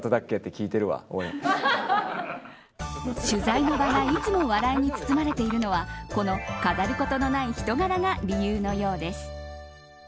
取材の場がいつも笑いに包まれているのはこの飾ることのない人柄が理由のようです。